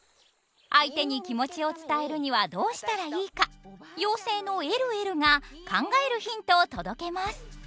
相手に気持ちを伝えるにはどうしたらいいか妖精のえるえるが考えるヒントを届けます。